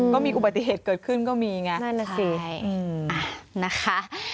ก็มีอุบัติเหตุเกิดขึ้นก็มีไงนั่นแหละสินะคะ